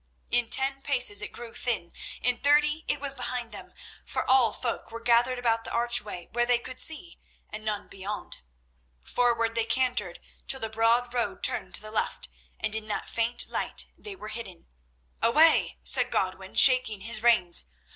In ten paces it grew thin, in thirty it was behind them, for all folk were gathered about the archway where they could see, and none beyond. Forward they cantered, till the broad road turned to the left, and in that faint light they were hidden. "Away!" said Godwin, shaking his reins.